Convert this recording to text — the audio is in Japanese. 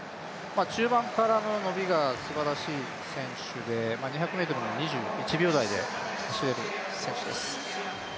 中盤からの伸びがすばらしい選手で、２００ｍも２１秒台で走る選手です。